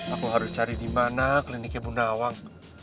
aku harus cari dimana kliniknya bu nawang